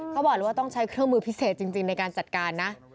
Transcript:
เขาบอกเลยว่าต้องใช้เครื่องมือพิเศษจริงในการจัดการนะ